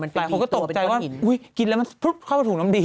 แต่เขาก็ตกใจว่ากินแล้วเข้าไปถุงน้ำดี